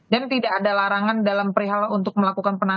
dan tidak ada larangan dalam perihal untuk melakukan perbuatan